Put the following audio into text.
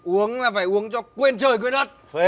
uống là phải uống cho quên trời quên đất